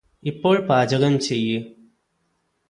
ഇപ്പോൾ പാചകം ചെയ്യ്